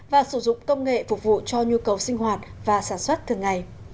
và sử dụng công nghệ phục vụ cho nhu cầu sinh hoạt và sản xuất thường ngày